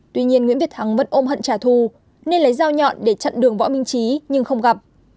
tuy nhiên nguyễn việt thắng vẫn ôm hận trả thù nên lấy dao nhọn để chặn đường võ minh trí nhưng không gặp